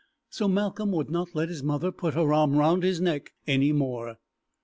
So Malcolm would not let his mother put her arm round his neck any more.